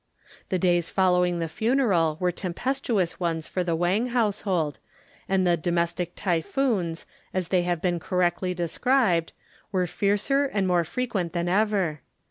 The days following the funeral were tempestuous ones for the Wang household, and the "domestic typhoons," as they have been correctly described, were fiercer and more frequent than ever.